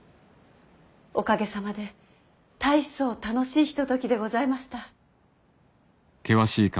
おかげさまで大層楽しいひとときでございました。